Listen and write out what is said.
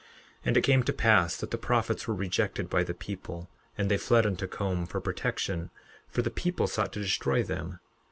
11:2 And it came to pass that the prophets were rejected by the people, and they fled unto Com for protection, for the people sought to destroy them.